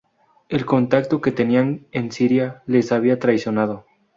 El contacto que tenían en Siria les había traicionado.